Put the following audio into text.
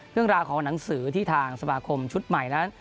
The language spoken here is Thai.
เรื่องราวของหนังสือที่ทางสมาคมชุดใหม่นั้น